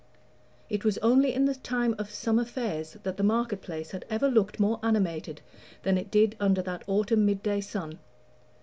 It was only in the time of summer fairs that the market place had ever looked more animated than it did under that autumn midday sun.